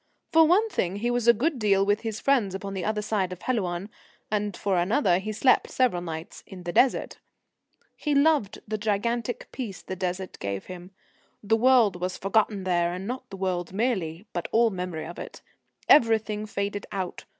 For one thing, he was a good deal with his friends upon the other side of Helouan, and for another, he slept several nights in the Desert. He loved the gigantic peace the Desert gave him. The world was forgotten there; and not the world merely, but all memory of it. Everything faded out.